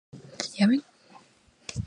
Es hija de padre peruano y madre venezolana.